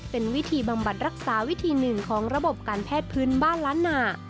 เป็นวิธีบำบัดรักษาวิธีหนึ่งของระบบการแพทย์พื้นบ้านล้านนา